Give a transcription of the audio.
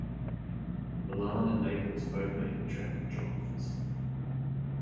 Milan and Naples both made him attractive job offers.